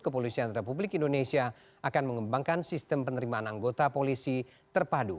kepolisian republik indonesia akan mengembangkan sistem penerimaan anggota polisi terpadu